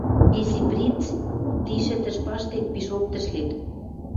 Изи принц ти шӹтӹш паштек пишок тӹшлен.